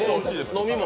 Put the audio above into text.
飲み物